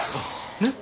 ねっ？